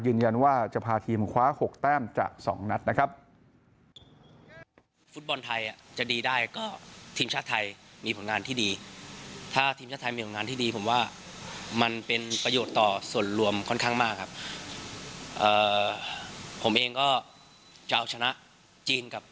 ยืนยันว่าจะพาทีมคว้า๖แต้มจาก๒นัดนะครับ